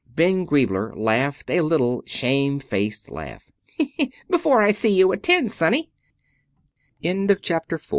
Ben Griebler laughed a little shamefaced laugh. "Before I see you at ten, sonny." V THE SELF STARTER T